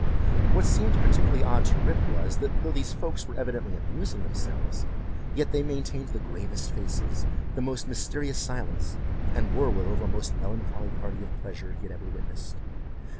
What seemed particularly odd to Rip was, that though these folks were evidently amusing themselves, yet they maintained the gravest faces, the most mysterious silence, and were, withal, the most melancholy party of pleasure he had ever witnessed.